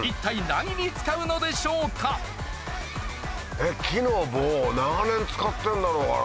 えっ木の棒長年使ってんだろうからな。